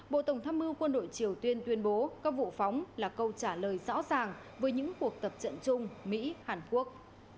bộ tổng tham mưu quân đội triều tuyên tuyên bố các vụ phóng là câu trả lời rõ ràng với những cuộc tập trận chung mỹ hàn quốc